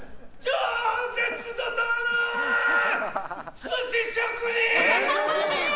超絶怒涛の寿司職人！